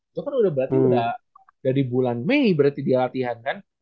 itu kan udah berarti udah dari bulan mei berarti dia latihan kan